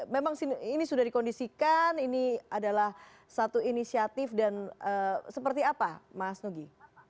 memang ini sudah dikondisikan ini adalah satu inisiatif dan seperti apa mas nugi